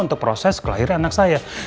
untuk proses kelahiran anak saya